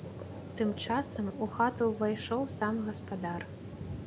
Тым часам у хату ўвайшоў сам гаспадар.